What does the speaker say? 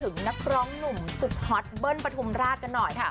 นักร้องหนุ่มสุดฮอตเบิ้ลปฐุมราชกันหน่อยค่ะ